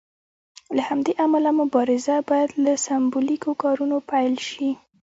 له همدې امله مبارزه باید له سمبولیکو کارونو پیل شي.